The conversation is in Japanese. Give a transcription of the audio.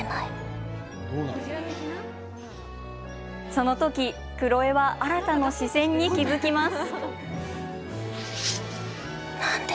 その時、クロエは新汰の視線に気付きます。